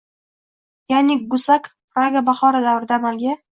ya’ni Gusak “Praga bahori” davrida amalga